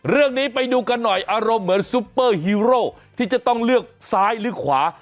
เรื่องนี้ไปดูกันหน่อยอารมณ์เหมือนซุปเปอร์ฮีโร่ที่จะต้องเลือกซ้ายหรือขวา